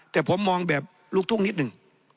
แต่ผมมองแบบลูกทุ่งนิดหนึ่ง